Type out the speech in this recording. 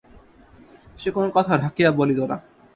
সে কোনো কথা ঢাকিয়া বলিত না।